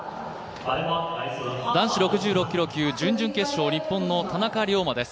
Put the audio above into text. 男子６６キロ級準々決勝、日本の田中龍馬です。